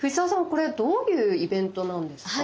これどういうイベントなんですか？